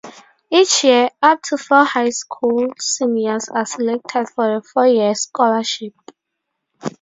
Each year, up to four high school seniors are selected for the four-year scholarship.